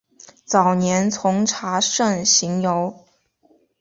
早年从查慎行游。